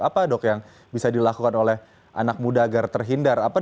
apa dok yang bisa dilakukan oleh anak muda agar terhindar